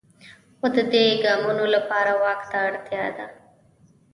خو د دې ګامونو لپاره واک ته اړتیا ده.